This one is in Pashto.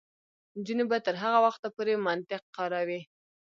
نجونې به تر هغه وخته پورې منطق کاروي.